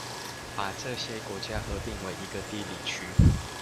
把這些國家合併為一個地理區